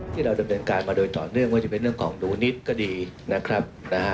ที่เราดำเนินการมาโดยต่อเนื่องว่าจะเป็นเรื่องของดูนิดก็ดีนะครับนะฮะ